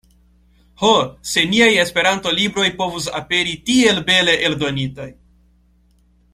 Ho, se niaj Esperanto-libroj povus aperi tiel bele eldonitaj!